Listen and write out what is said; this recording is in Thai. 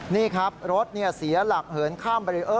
นี่ครับรถเสียหลักเหินข้ามไป